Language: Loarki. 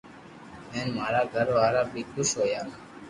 ھين مارا گھر وارا بي خوݾ ھويا